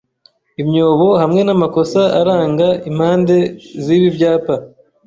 imyobohamwe namakosa aranga impande zibibyapa